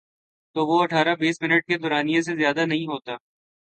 تو وہ اٹھارہ بیس منٹ کے دورانیے سے زیادہ نہیں ہوتا۔